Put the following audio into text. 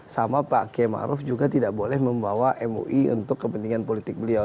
sama pak k ma'ruf juga tidak boleh membawa mui untuk kepentingan politik beliau